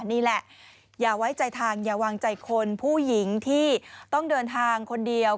นี่แหละอย่าไว้ใจทางอย่าวางใจคนผู้หญิงที่ต้องเดินทางคนเดียว